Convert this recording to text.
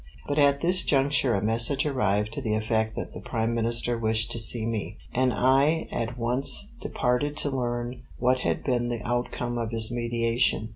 But at this juncture a message arrived to the effect that the Prime Minister wished to see me, and I at once departed to learn what had been the outcome of his mediation.